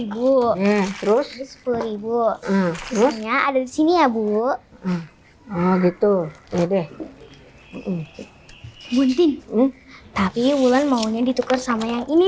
bu terus rp sepuluh ada di sini ya bu gitu deh buntin tapi bulan maunya ditukar sama yang ini